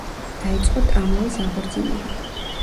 დაიწყო ტრამვაის აღორძინება.